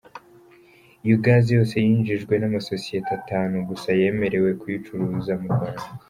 Iyo gazi yose yinjijwe n’amasosiyete atanu gusa yemerewe kuyicuruza mu Rwanda.